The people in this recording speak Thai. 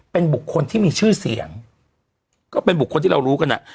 เป็นบุคคลที่มีชื่อเสียงก็เป็นบุคคลที่เรารู้กันอ่ะ